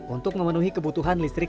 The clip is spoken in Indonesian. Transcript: untuk memenuhi kebutuhan listrik